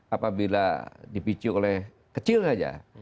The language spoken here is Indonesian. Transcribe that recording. apabila dipicu oleh kecil saja